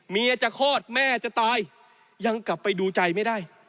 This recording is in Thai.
เมียจะคลอดแม่จะตายยังกลับไปดูใจไม่ได้